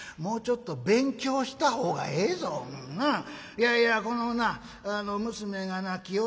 いやいやこのな娘がなきよ